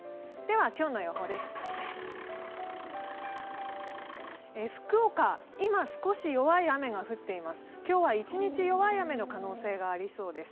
今日に予報です。